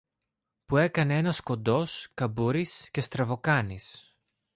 που έκανε ένας κοντός, καμπούρης και στραβοκάνης.